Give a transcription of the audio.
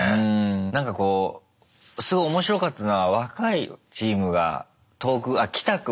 なんかこうすごい面白かったのは若いチームが遠くあっキタ君か。